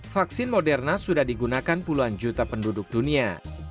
vaksin moderna sudah digunakan puluhan juta penduduk dunia